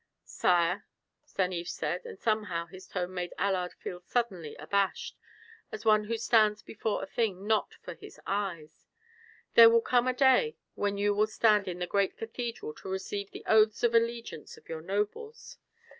"Sire," Stanief said, and somehow his tone made Allard feel suddenly abashed, as one who stands before a thing not for his eyes, "there will come a day when you will stand in the great cathedral to receive the oaths of allegiance of your nobles.